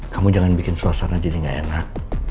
kamu jangan bikin suasana jadi gak enak